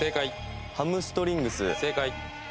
ハムストリングス。